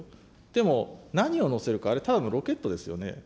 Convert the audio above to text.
でも何を載せるか、あれ、ただのロケットですよね。